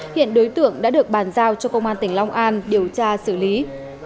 hiện đối tượng đã được bàn giao cho công an tỉnh long an điều tra xử lý